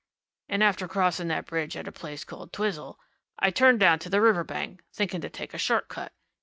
And after crossing that bridge at a place called Twizel, I turned down to the river bank, thinking to take a short cut.